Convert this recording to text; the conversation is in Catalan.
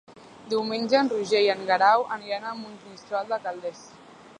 Diumenge en Roger i en Guerau aniran a Monistrol de Calders.